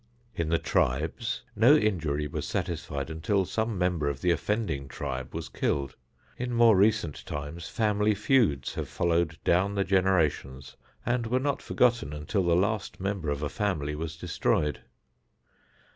In the tribes no injury was satisfied until some member of the offending tribe was killed. In more recent times family feuds have followed down the generations and were not forgotten until the last member of a family was destroyed.